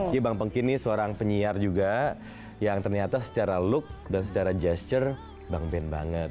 jadi bang pengki ini seorang penyiar juga yang ternyata secara look dan secara gesture bang ben banget